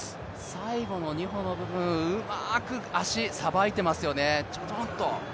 最後の２歩の部分、うまくさばいていますよね、チョチョんと。